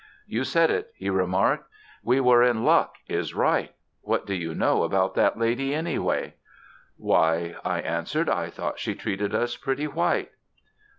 "You said it," he remarked. "We were in luck is right. What do you know about that lady, anyway?" "Why," I answered, "I thought she treated us pretty white."